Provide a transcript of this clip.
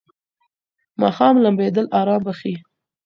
ماښام لمبېدل آرام بخښي.